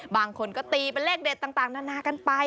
บางคนก็ตีเป็นเลขเด็ดต่างนานากันไป